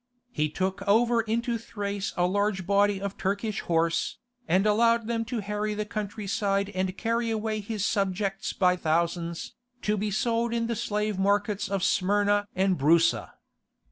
He took over into Thrace a large body of Turkish horse, and allowed them to harry the country side and carry away his subjects by thousands, to be sold in the slave markets of Smyrna and Broussa.